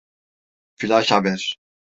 Flaş haber!